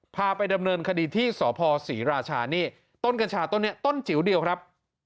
พาไปดำเนินคดีที่สพศรีราชานี่ต้นกัญชาต้นนี้ต้นจิ๋วเดียวครับ